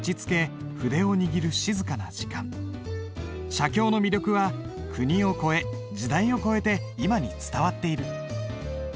写経の魅力は国を超え時代を超えて今に伝わっている。